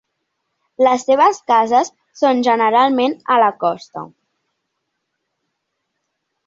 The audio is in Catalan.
Les seves cases són generalment a la costa.